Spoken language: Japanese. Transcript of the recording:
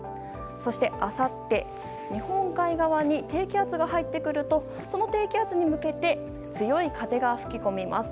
そして、あさって日本海側に低気圧が入ってくるとその低気圧に向けて強い風が吹き込みます。